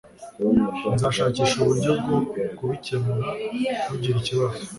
Nzashakisha uburyo bwo kubikemura. Ntugire ikibazo.